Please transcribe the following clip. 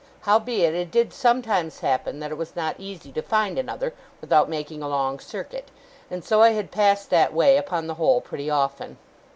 Howbeit, it did sometimes happen that it was not easy to find another, without making a long circuit; and so I had passed that way, upon the whole, pretty often.